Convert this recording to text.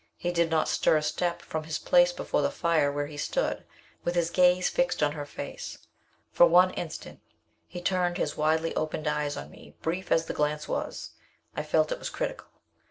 He did not stir a step from his place before the fire, where he stood, with his gaze fixed on her face. For one instant he turned his widely opened eyes on me brief as the glance was, I felt it was critical.